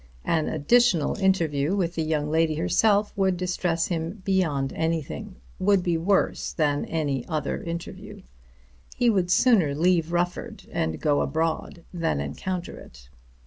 An additional interview with the young lady herself would distress him beyond anything, would be worse than any other interview. He would sooner leave Rufford and go abroad than encounter it.